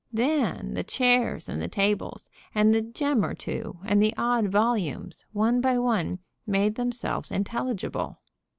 Then the chairs and the tables, and the gem or two, and the odd volumes, one by one, made themselves intelligible.